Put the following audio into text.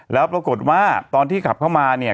แล้วปรากฏว่าตอนที่ขับเข้ามาเนี่ย